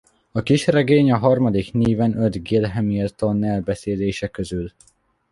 A kisregény a harmadik Niven öt Gil Hamilton-elbeszélése közül.